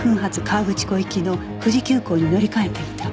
河口湖行きの富士急行に乗り換えていた